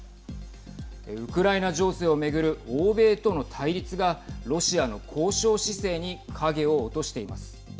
ウクライナ情勢を巡る欧米との対立がロシアの交渉姿勢に影を落としています。